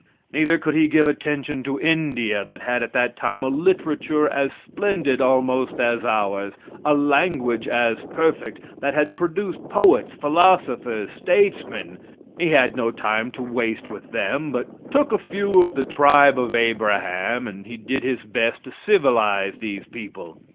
Neither could He give attention to India, that had at that time a literature as splendid almost as ours, a language as perfect; that had produced poets, philosophers, statesmen. He had no time to waste with them, but took a few of the tribe of Abraham, and He did His best to civilize these people.